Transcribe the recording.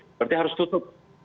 berarti harus tutup